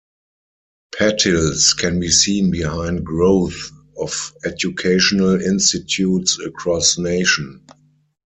Patils can be seen behind growth of educational institutes across nation.